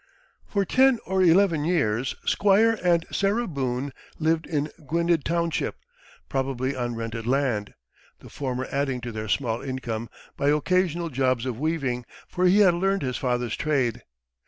For ten or eleven years Squire and Sarah Boone lived in Gwynedd township, probably on rented land, the former adding to their small income by occasional jobs of weaving, for he had learned his father's trade.